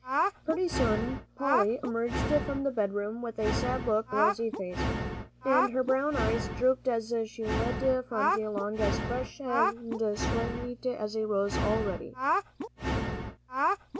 Pretty soon Polly emerged from the bedroom with a sad look on her rosy face, and her brown eyes drooped as she led Phronsie along as fresh and sweet as a rose, all ready.